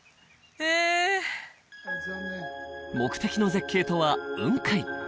目的の絶景とは雲海